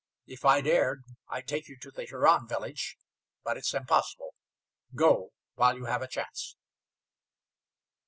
If I dared I'd take you to the Huron village, but it's impossible. Go, while you have a chance."